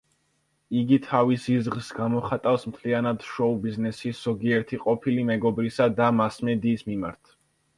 იგი თავის ზიზღს გამოხატავს მთლიანად შოუ-ბიზნესის, ზოგიერთი ყოფილი მეგობრისა და მასმედიის მიმართ.